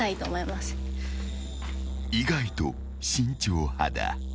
［意外と慎重派だ］